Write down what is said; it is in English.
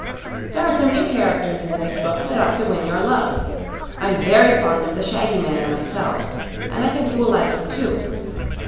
There are some new characters in this book that ought to win your love. I'm very fond of the shaggy man myself, and I think you will like him, too.